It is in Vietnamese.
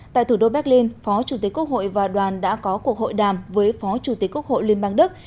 tại thủ đô berlin phó chủ tịch quốc hội và đoàn đã có cuộc hội đàm với phó chủ tịch quốc hội liên bang đức